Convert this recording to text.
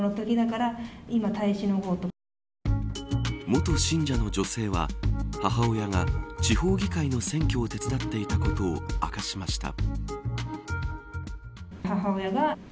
元信者の女性は母親が地方議会の選挙を手伝っていたことを明かしました。